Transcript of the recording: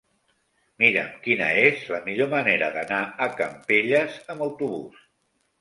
Mira'm quina és la millor manera d'anar a Campelles amb autobús.